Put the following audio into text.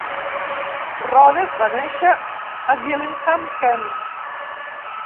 Rhodes va néixer a Gillingham, Kent.